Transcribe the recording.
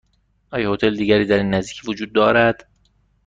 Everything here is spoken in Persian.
آیا هتل دیگری در این نزدیکی وجود دارد؟